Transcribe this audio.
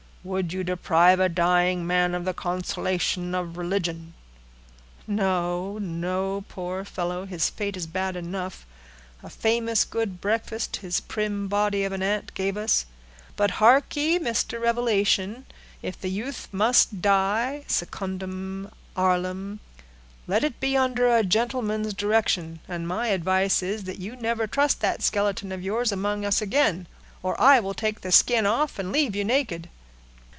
Would you deprive a dying man of the consolation of religion?" "No, no, poor fellow, his fate is bad enough; a famous good breakfast his prim body of an aunt gave us. But harkee, Mr. Revelation, if the youth must die secundum arlem, let it be under a gentleman's directions, and my advice is, that you never trust that skeleton of yours among us again, or I will take the skin off and leave you naked."